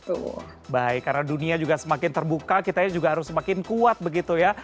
tuh baik karena dunia juga semakin terbuka kitanya juga harus semakin kuat begitu ya